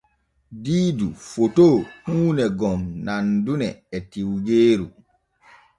Diidu foto huune gon nandune e tiwgeeru.